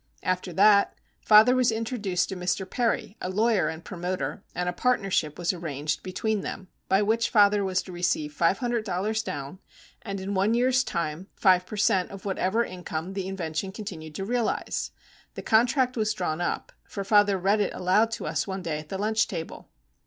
After that father was introduced to Mr. Perry, a lawyer and promoter, and a partnership was arranged between them by which father was to receive $500 down, and in one year's time five per cent. of whatever income the invention continued to realize. The contract was drawn up, for father read it aloud to us one day at the lunch table.